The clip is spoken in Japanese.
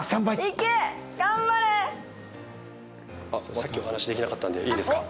さっきお話しできなかったのでいいですか？